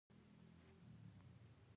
دا د بیولوژي او انجنیری یو ترکیب دی.